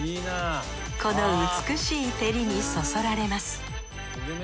この美しい照りにそそられます